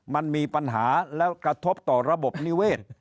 มันมีปัญหาแล้วกระทบต่อระบบนิเวศ